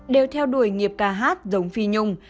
đều theo đuổi nghiệp ca hát giống phi nhung